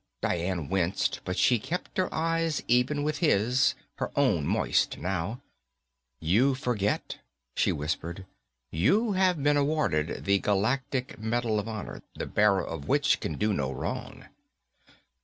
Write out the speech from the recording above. Dian winced, but she kept her eyes even with his, her own moist now. "You forget," she whispered. "You have been awarded the Galactic Medal of Honor, the bearer of which can do no wrong."